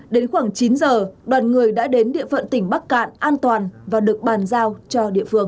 đến khoảng chín giờ đoàn người đã đến địa phận tỉnh bắc cạn an toàn và được bàn giao cho địa phương